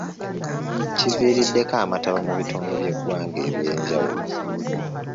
Kiviiriddeko amataba mu bitundu by’eggwanga ebyenjawulo.